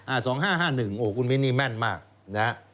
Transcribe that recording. สองห้าห้าหนึ่งโอ้คุณมินนี่แม่นมากนะฮะ